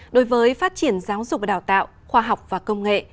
đối với phát triển giáo dục và đào tạo khoa học và công nghệ